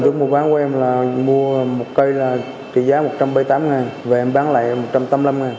lúc mua bán của em là mua một cây là trị giá một trăm bảy mươi tám ngàn và em bán lại một trăm tám mươi năm ngàn